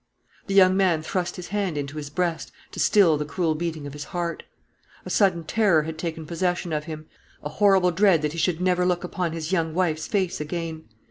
The young man thrust his hand into his breast to still the cruel beating of his heart. A sudden terror had taken possession of him, a horrible dread that he should never look upon his young wife's face again.